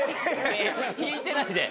引いてないで。